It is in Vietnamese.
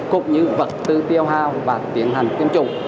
cũng như vật tư tiêu hào và tiến hành tiêm chủng